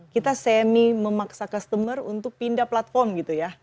kita semi memaksa customer untuk pindah platform gitu ya